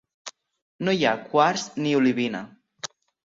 No hi ha quars ni olivina.